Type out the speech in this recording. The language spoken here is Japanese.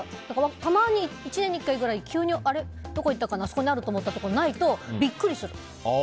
たまに１年に１回ぐらい急にどこにいったかなあそこにあるって思ったところにないとビックリする。